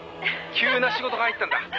急な仕事が入ったんだ」